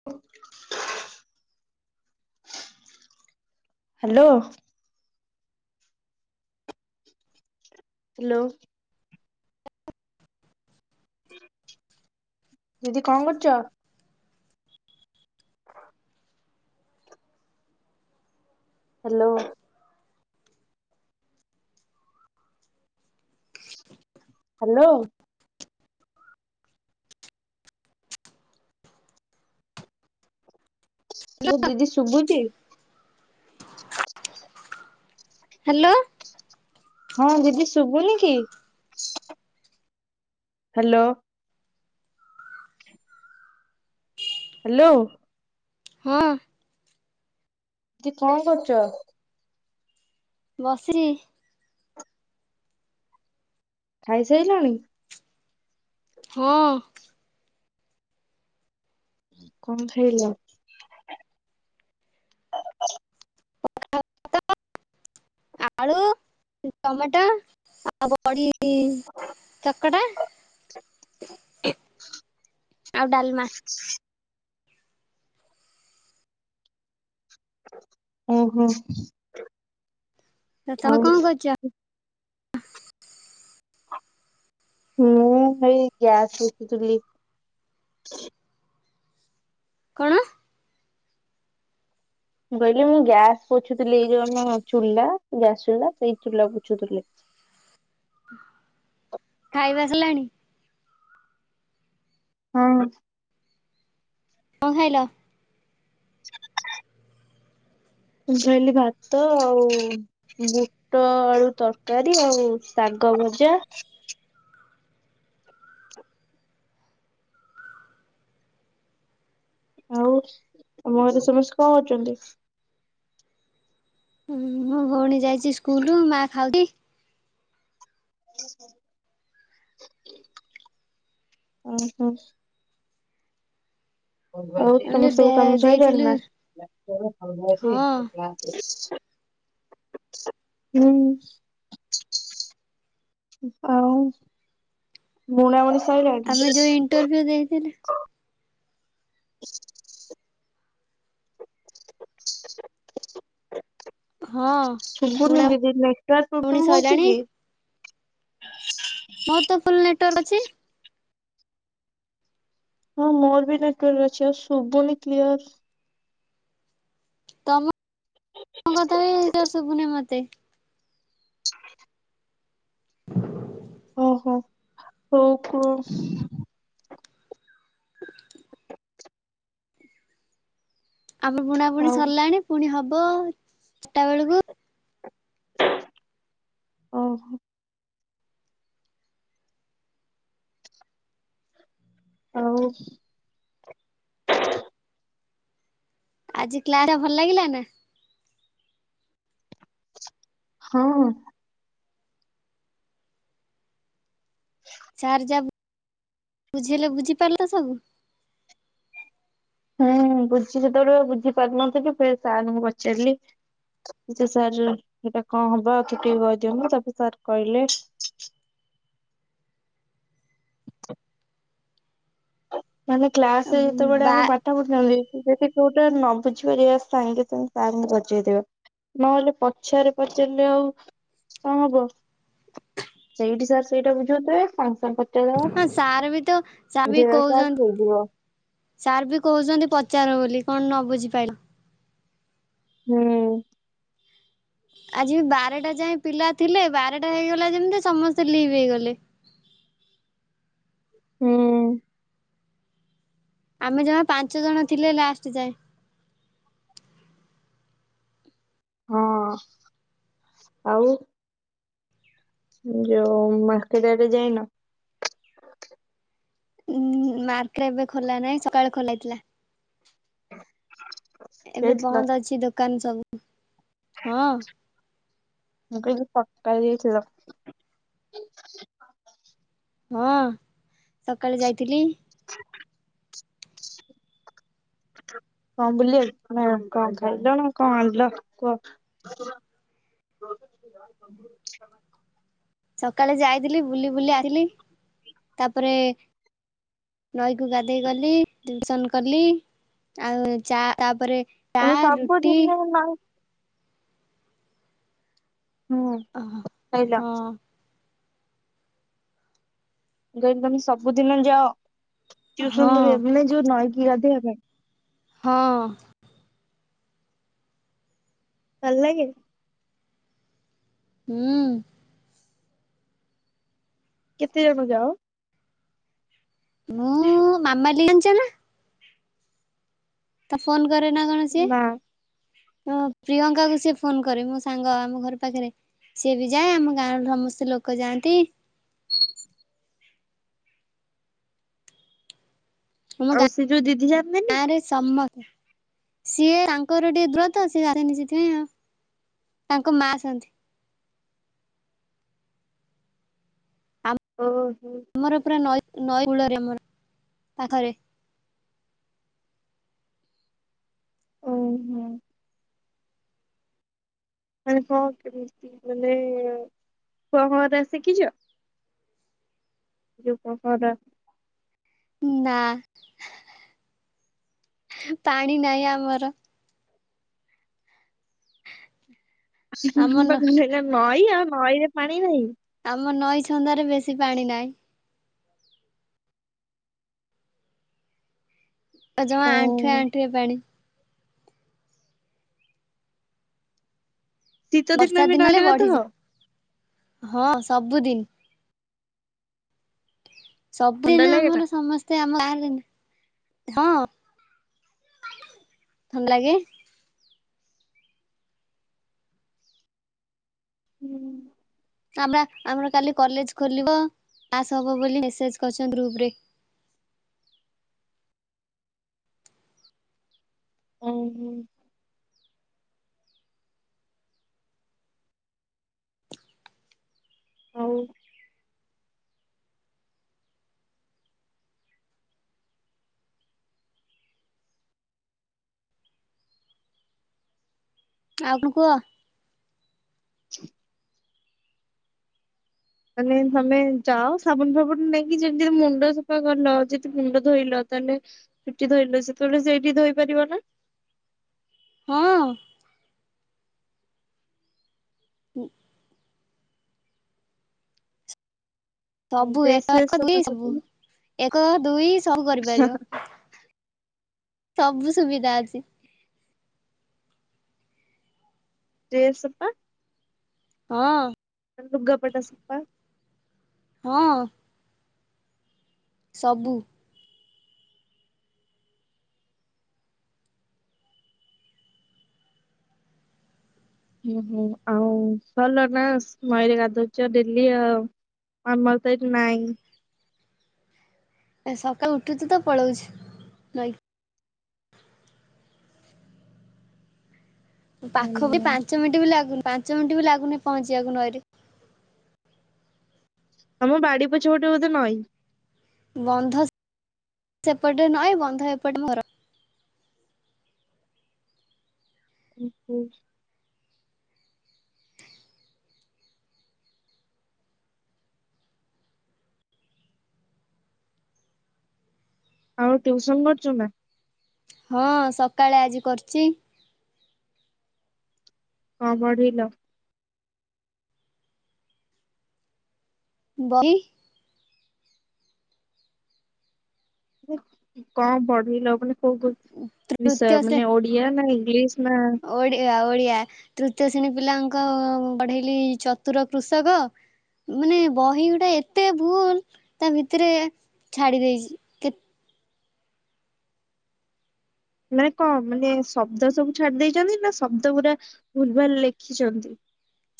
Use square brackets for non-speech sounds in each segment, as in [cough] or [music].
ହ hello. Hello. ଦିଦି କଣ କରୁଛ? ହ୍ୟାଲୋ। ହ୍ୟାଲୋ। ହାଲୋ ଦିଦି ଶୁଭୁଛି? ହ୍ୟାଲୋ। ହଁ ଦିଦି ଶୁଭୁନି କି? ହ୍ୟାଲୋ। ହ୍ୟାଲୋ। ହଁ। ଦି କଣ କରୁଛ? ବସିଛି। ଖାଇସାଇଲଣି? ହଁ। କଣ ଖାଇଲ? ଆଳୁ ଟମାଟୋ ଆଉ ବଡି ଚକଟା ଆଉ ଡାଲମା। ହ ଓହୋ। ତ ଆଉ ତମେ କଣ କରୁଛ? ମୁଁ ହେଇ ଗ୍ୟାସ ଚୁଲି କଣ? କହିଲି ମୁଁ ଗ୍ୟାସ ପୋଛୁଥିଲି ଏଇ ଯୁ ଆମ ଚୁଲା ଗ୍ୟାସ ଚୁଲା ସେଇ ଚୁଲା ପୋଛୁଥିଲ। ଖାଇବା ହେଲାଣି। ହଁ। କ ଖାଇଲ। ମୁଁ ଖାଇଲି ଭାତ ଆଉ ବୁଟ ଆଳୁ ତରକାରୀ ଆଉ ଶାଗ ଭଜା ଆଉ ତମ ଘରେ ସମସ୍ତେ କଣ ଅଛନ୍ତି? ହୁଁ ହୁଁ ମୋ ଭଉଣୀ ଯାଇଛି ସ୍କୁଲ ମା ଖାଉଛି। ଉ ହୁଁ। ହଉ ଆମେ ତମ ସବୁ କାମ ଯୋଉ ସଇଲାଣି ଦେଇଥିଲୁ ନା? ହଁ ହୁଁ। ଆଉ ବୁଣା ବୁଣି ସାଇଲାଣି? ସିଏ ଦେଇଥିଲେ। ହଁ ବୁଣା ଶୁଭୁନି ଦିଦି ନେଟୱର୍କ୍ ବୁଣି ପ୍ରୋବ୍ଲେମ ହଉଛି ସରିଲାଣି କି? ମୋର ତ ଫୁଲ ନେଟୱାର୍କ ଅଛି। ହଁ ମୋର ବି ନେଟୱର୍କ ଅଛି ଆଉ ଶୁଭୁନି କ୍ଲିୟର। ତମ କଥ ବି କ୍ଲିୟର ଶବୁନି ମତେ। ହ ଓହୋ ହଉ କୁଅ? ଆମ ପୁଣା ପୁଣି ଆଉ ସରିଲାଣି ପୁଣି ହବ ଚାରିଟା ବେଳକୁ ଓହୋ। ଆଉ ଆଜି କ୍ଲା ଟା ଭଲ ଲାଗିଲା ନା? ହଁ। ହ ସାର ଯା ବୁଝେଇଲେ ବୁଝିପାରିଲ ସବୁ? ହୁଁ ବୁଝି ସେତେବେଳୁ ବୁଝି ପାରୁିନଥିଲି ଫେର ସାରଙ୍କୁ ପଚାରିଲି। ଯେ ସାର୍ ହେଟା କଣ ହବ ତୁ ଟିକେ କହିଦିଅନ୍ତୁ ତାପରେ ସାର୍ କହିଲେ। ଆ ଆମେ କ୍ଲାସ ଯେତେବେଳେ ଆମେ ବା [unintelligible] ଯଦି କୋଉଟା ନ ବୁଝିବାରିବା ସାଙ୍ଗେ ସାଙ୍ଗେ ସାରଙ୍କୁ ପଚାରିବି। ନହେଲେ ପଛଆରେ ପଚାରିଲେ ଆଉ ସମ୍ଭବ ସେଇଠି ସାର୍ ସେଇଟା ବୁଝଉଥିବେ [unintelligible] ହଁ ସାର୍ ବି ତ ସାର ବି ବୁଝେଇଦେବେ ସାର୍ କହୁଛନ୍ତି ହେଇଯିବ। ସାର୍ ବି କହୁଛନ୍ତି ପଚାର ବୋଲି କଣ ନ ବୁଝିପାଇଲ? ହୁଁ। ଆଜି ବାରଟା ଯାଏ ପିଲା ଥିଲେ ବାରଟା ହେଇଗଲା ଯେମିତି ସମସ୍ତେ ଲିଭ୍ ହେଇଗଲେ। ହୁଁ। ଆମେ ଜମା ପାଞ୍ଚ ଜଣ ଥିଲେ ଲାଷ୍ଟ ଯାଏ। ହଁ ଆଉ ଯୋଉ ମାର୍କେଟ ଆଡେ ଯାଇନ? ଉଁ ମାର୍କ ଏବେ ଖୋଲା ନାଇଁ ସକାଳେ ଖୋଲା ଥିଲା। ଏବେ ଯାଇଥିଲ? ବନ୍ଦ ଅଛି ଦୋକାନ ସବୁ ହଁ। ମୁଁ କହିଲି ପଟା ଦେଇଥିଲ। ହଁ ସକାଳେ ଯାଇଥିଲି। କଣ ବୁଲି ଆକୁ ନା କଣ ଖାଇଲ ନା କଣ ଆଣିଲ କୁହ? ସକାଳେ ଯାଇଥିଲି ବୁଲି ବୁଲି ଆସଥିଲି ତାପରେ ନଈକୁ ଗାଧେଇ ଗଲି। ଟ୍ୟୁସନ କଲି ଆଉ ଚା ତାପରେ ଚା ତମେ ରୁଟି ସବୁଦିନେ ମା ହୁଁ ହଁ ଖାଇଲ ହଁ। କହିଲି ତମେ ସବୁଦିନ ଯାଅ ଟିଉସନ ହଁ କରିବା ପାଇଁ ନା ଯୋଉ ନଈକି ଗାଧୋଇବା ପାଇଁ। ହଁ। ଭଲ ଲାଗେ। ହୁଁ। କେତେ ଜାଗ ଯାଅ? ମୁଁ ମାମାଲି ଜଣିଛ ନା ତା ଫୋନ୍ କରେ ନା କଣ ସିଏ। ନା ହଁ ପ୍ରିୟଙ୍କାକୁ ସିଏ ଫୋନ କରେ, ମୋ ସାଙ୍ଗ ଆମ ଘର ପାଖରେ। ସିଏ ବି ଯାଏ ଆମ ଗାଁର ସମସ୍ତେ ଲୋକ ଯାଆନ୍ତି। [inaudible] ଆମ ଆଉ ସେ ଯୋଉ ଦିଦି ଜାଆନ୍ତିନି। ଗାଁ ରେ ସମସ୍ତେ ସିଏ ତାଙ୍କର ଟିକେ ଦୂର ତ ସିଏ ଆସେନି ସେଥିପାଇଁ ଆଉ। ତାଙ୍କ ମା ଆସନ୍ତି। ଓହୋ। ଆମର ପୁରା ନଈ ନଈ କୂଳରେ ଆମର ପାଖରେ ଓହୋ। ମାନେ କଣ କେମିତି ମାନେ ପହଁରା ଶିଖିଛ। ଯଉ ପହଁରା। ନା ପାଣି ନାହିଁ ଆମର। [inaudible] ଆମ ନ ନଈ ଆଉ ନଈରେ ପାଣି ନାହିଁ। ଆମ ନଈ ଛନ୍ଦରେ ବେଶୀ ପାଣି ନାହିଁ। ଆଉ ଜମା ଓ ଆଣ୍ଠୁଏ ଆଣ୍ଠୁଏ ପାଣି। ଶୀତ ବର୍ଷା ବି ଦିନ ହେଲେ ନଈରେ ଗାଧାଅ ବଢିଯାଏ। ହଁ ସବୁଦିନ ଥଣ୍ଡା ସବୁଦିନ ଲାଗେ ନା? ଆମର ସମସ୍ତେ ସେ ଆମ [unintelligible] ହଁ ଭଲ ଲାଗେ। ହୁଁ। ଆମ ଆମର କାଲି କଲେଜ ଖୋଲିବ କ୍ଲାସ ହବ ବୋଲି ମେସେଜ କରିଛନ୍ତି ଗ୍ରୁପରେ। ଓହୋ। ହଉ। ଆଉ କଣ କୁହ। [inaudible] ମାନେ ତମେ ଯାଅ ସାବୁନ ଫାବୁନ ନେଇକି ଯେମତିି ମୁଣ୍ଡ ସଫା କଲ ଯଦି ମୁଣ୍ଡ ଧୋଇଲ ତାହେଲେ। ଚୁଟି ଧୋଇଲ ସେତେବେଳେ ସେଇଠି ଧୋଇ ପାରିବ ନା। ହଁ। [inaudible] ସବୁ ଡ୍ରେସ ଏକ ଫ୍ରେସ ଏକ ଦୁଇ ସଫା ସବୁ ସଫି ଏକ ଦୁଇ ସବୁ କରିପାରିବ। ସବୁ ସୁବିଧା ଅଛି। ଡ୍ରେସ ସଫା ହଁ। ଲୁଗାପଟା ସଫା ହଁ। ସବୁ ଓହୋ ଆଉ ଭଲ ନା ନଈରେ ଗାଧୁଉଛ ଡେଲି ଆଉ ଆମର ତ ଏଠି ନାଇଁ। ଏ ସକାଳୁ ଉଠୁଛୁ ତ ପଳଉଛୁ। ନଈ ପାଖ ବି ହୁଁ ପାଞ୍ଚ ମିନିଟ୍ ବି ଲାଗୁନି ପାଞ୍ଚ ମିନିଟ ବି ଲାଗୁନି ପହଞ୍ଚିବାକୁ ନଈରେ। ତମ ବାଡି ପଛ ଗୋଟେ ବୋଧେ ନଈ। ବନ୍ଧ ସେପଟେ ନଁ ବନ୍ଧ ଏପଟେର କୁପୁର ଆଉ ୍ୟଉସନ କରୁଛୁ ନା ହଁ ସକାଳେ ଆଜି କରୁଛି। କଣ ବଢିଲ? ବହି। କଣ ପଢ ଲ ମାନେୋଉ ବିଷୟ ତୃତୀୟ ମାନେ ଓ ୟ ନା ଇଂଲିଶ ନା ଓ ଓଡିଆ ତୃତୀୟ ଶ୍ରେଣୀ ପିଲାଙ୍କ ବଢେଇଲି ଚତୁର କୃଷକ ମାନେ ବହି ଗୁଟା ଏତେ ଭୁଲ ତା ଭିତରେ ଛାଡ଼ି ଦେଇଛି। କେ ମାନେ କଣ ମାନେ ଶବ୍ଦ ସବୁ ଛାଡି ଦେଇେଇଛନ୍ତି ନା ଶବ୍ଦ ପୁରା ଭୁଲ ଭଲ ଲେଖିଛନ୍ତି।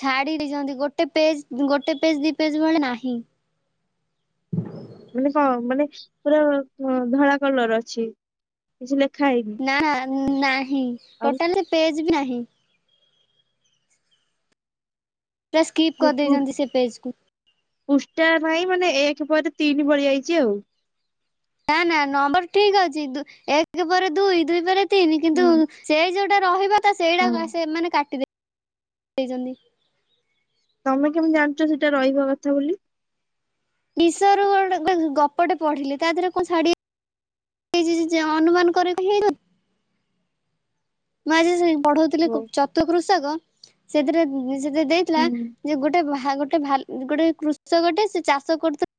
ଛାଡି ଦେଇଛନ୍ତି ଗୋଟେ ପେଜ ଗୋଟେ ପେଜ ଦି ପେଜ ଭଳେ ନାହିଁ। ମାନେ କଣ ମାନେ ପୁରା ଧଳା କଲର ଅଛି କିଛି ଲେଖା ହେଇନି। ନା ନାହିଁ ଆଉ ଟୋଟାଲ ପେଜ ବି ନାହିଁ। ପୁରା ସ୍କିପ୍ କରିଦେଇଛନ୍ତି ସେ ପେଜ୍କୁୁ ପୃଷ୍ା ନାହିଁ ମାନେ ଏକ ପରେ ତିନି ପଡିଯାଇଛି ଆଉ ନା ନା ନମ୍ବର ଠିକ ଅଛି ଏକ ପରେ ଦୁଇ ଦୁଇ ପରେ ତିନି କିନ୍ତୁ ହୁଁ ସେଇ ଯୋଉଟା ରହିବ ତ ହଁ ସେଇଟା ସେ ମାନେ କାଟିଦ ଦେଇଛନ୍ତି। ତମେ କେମିତି ଜାଣିଛ ସେଇଟା ରହିବା କଥା ବୋଲି। ନିଶ ର ଗୋଟ ଗ ଗପଟେ ପଢିଲି ତା ଦେହରେ କଣ ଶାଢୀ ଅନୁମାନ କରି ହେଇଯା ମୁଁ ଆଜି ପଢଉ ଓ, ଚତୁ କୃଷକ ସେଥିରେ ସେଥିରେ ଦେଇଥିଲା। ହୁଁ ଯେ ଗୋଟେ ଗୋଟେ ଗୋଟେ କୃଷକ ଗୋଟେ ସେ ଚାଷ କରୁଥୁ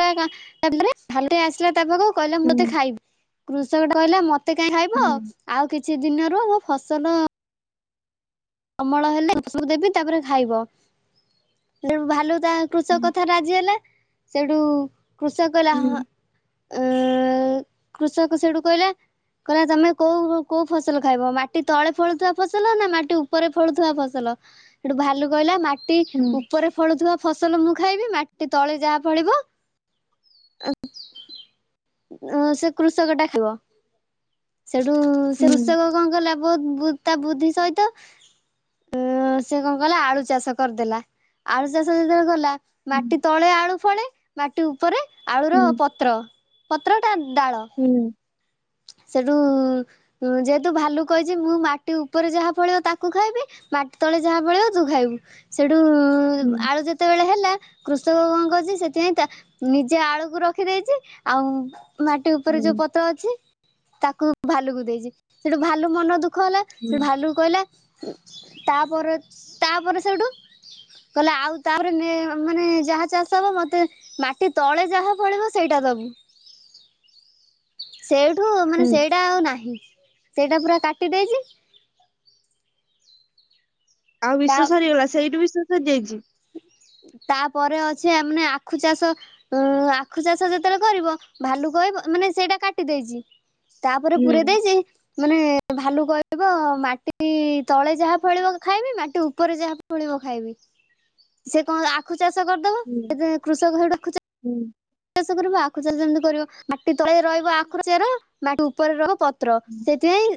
ଭରେ ଆସିଲା ତା ପାଖକୁ। କହିଲା ହୁଁ ମତେ ଖାଇବି କୃଷକ ଟା କହିଲା ମତେ କାହିଁ ହୁଁ ଖାଇବ ଆଉ କିଛି ଦିନ ରୁହ ମୋ ଫସଲ। ଅମଳ ହେଲେ ଫସଲ ଦେବି ତାପରେ ଖାଇବ ହେଲେ ଭାଲୁ ତା କୃଷକ ହୁଁ। କଥା ରାଜି ହେଲେ ସେଠୁ କୃଷକ କହିଲା ହଁ। ଅ କୃଷକ ସେଇଠୁ କହିଲା କହିଲ ତମେ କଉ କୋଉ ଫସଲ ଖାଇବ ମାଟି ତଳେ ଫଳୁଥିବା ଫସଲ ନା ମାଟି ଉ ଉପରେ ଫଳୁଥିବା ଫସଲ ସେଠୁ ଭାଲୁ କହିଲା ମାଟି ଉ ଉପରେ ଫଳୁଥିବା ଫସଲ ମୁଁ ଖାଇବି ମାଟି ତଳେ ଯାହା ଫଳିବ ସେ କୃଷକଟା ଖାଇବ ସେଠୁ ସେ ରୃଷକ କଣ କଲା ବହୁତ ତା ବୁଦ୍ଧି ସହିତ। ଉ ସେ କଣ କଲା ଆଳୁ ଚାଷ କରିଦେଲା ଆଳୁ ଚାଷ ଯେତେବେଳେ କଲା ମାଟି ତଳେ ଆଳୁ ଫଳେ ମାଟି ଉପରେ ଆଳୁର ପତ୍ର। ପତ୍ର ଟା ଡାଳ। ହୁଁ। ସେଠୁ ଯେହେତୁ ଭାଲୁ କହିଛି ମୁଁ ମାଟି ଉପରେ ଯାହା ଫଳିବ ମୁଁ ତାକୁ ଖାଇବି। ମାଟି ତଳେ ଯାହା ଫଳିବ ତୁ ଖାଇବୁ ସେଇଠୁ ଆଳୁ ଯେ ଯେତେବେଳେ ହେଲା କୃଷକ କଣ କରଛି ସେଥିପାଇଁ ତା ନିଜେ ଆଳୁକୁ ରଖିଦେଇଛି ଆଉ। ମାଟି ଉପରେ ଯୋଉ ପତ୍ର ଅଛି ତାକୁ ଭାଲୁକୁ ଦେଇଛି ସେଠୁ ଭାଲୁ ମନ ଦୁଃଖ ହେଲା। ସେ ଭାଲୁ କହିଲା ତାପ ପର ତାପରେ ସେଇଠୁ କହିଲା ଆଉ ତାପରେ ମେ ମାନେ ଯାହା ଚାଷ ହବ ମତେ ମାଟି ତଳେ ଯାହା ପଳିବ ସେଇଟା ଦବୁ। ସେଇଠୁ ମାନେ ସେଇଟା ଆଉ ନାହିଁ ସେଇଟା ପୁରା କାଟି ଦେଇଛି। ଆଉ ତା ବିଶ୍ୱଵସରିଗଲା ସେଇଠୁ ବିଶ୍ଵ ସରି ଯାଇଛି। ତାପରେ ଅଛି ଆମାନେ ଆଖୁ ଚାଷ। ଉଁ ଆଖୁ ଚାଷ ଯେତେବେଳେ କରିବ ଭାଲୁ କହ ମାନେ ସେଇଟା କାଟି ଦେଇଛି। ତା ପରେ ପୁରେଇ ହୁଁ ଦେଇଛି। ମାନେ ଭାଲୁ କହିବ ମାଟି ତଳେ ଯାହା ଫଳିବ ଖାଇବି ମାଟି ଉପରେ ଯାହା ଫଳିବ ଖାଇବି। ସେ କଣ ଆଖୁ ଚାଷ କରିଦବ ହୁଁ ଯେ କୃଷକ ସେଠୁ ହୁଁ। ଚାଷ କରିବ, ଆଖୁ ଚାଷ ଯେମିତି କରିବ ମାଟି ତଳେ ରହିବ ଆଖୁର ଚେର। ମାଟି ଉପରେ ରହିବ ପତ୍ର। ସେଇଥିପାଇଁ